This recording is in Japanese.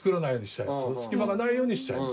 隙間がないようにしたい。